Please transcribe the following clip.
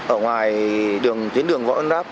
ở ngoài tuyến đường võ ân đáp